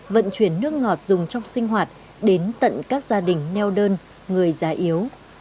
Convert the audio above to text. vận chuyển nước ngọt dùng trong sinh hoạt đến tận các gia đình neo đơn người già yếu